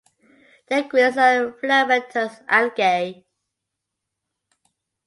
They graze on filamentous algae.